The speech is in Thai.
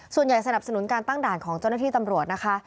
สนับสนุนการตั้งด่านของเจ้าหน้าที่ตำรวจนะคะ